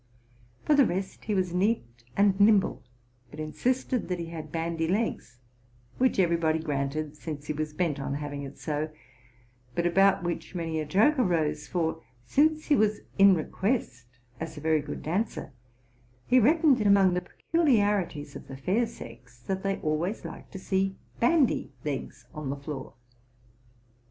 For the rest, he was neat and nimble, but insisted that he had bandy legs, which every body eranted, since he was bent on having it so, but about which many a joke arose; for, since he was in request as a very good dancer, he reckoned it among the peculiarities of the fair sex, that they always liked to see bandy legs on the floor.